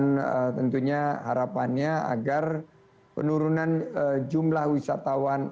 dan tentunya harapannya agar penurunan jumlah wisatawan